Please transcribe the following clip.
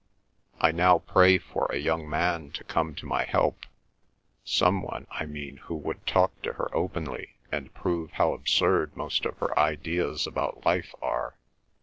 I now pray for a young man to come to my help; some one, I mean, who would talk to her openly, and prove how absurd most of her ideas about life are.